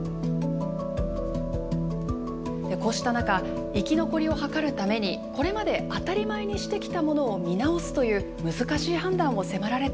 こうした中生き残りを図るためにこれまで当たり前にしてきたものを見直すという難しい判断を迫られている首長もいるんです。